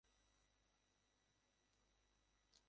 আমি হব না হুমকিপ্রাপ্ত।